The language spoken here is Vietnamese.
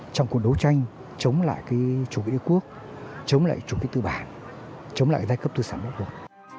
trong cuộc đấu tranh chống lại chủ nghĩa quốc chống lại chủ nghĩa tư bản chống lại giai cấp tư sản quốc quốc